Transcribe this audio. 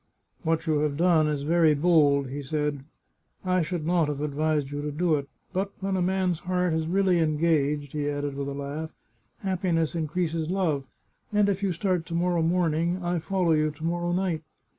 " What you have done is very bold," he said. " I should not have advised you to do it. But when a man's heart is really engaged," he added with a laugh, " happiness in creases love, and if you start to morrow morning, I follow you to morrow night